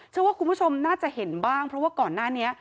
เชื่อว่าคุณผู้ชมน่าจะเห็นบ้างเพราะว่าก่อนหน้านี้